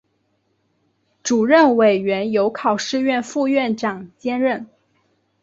主任委员由考试院副院长兼任。